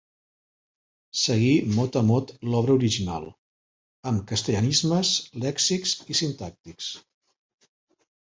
Seguí mot a mot l'obra original, amb castellanismes lèxics i sintàctics.